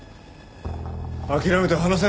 諦めて話せ。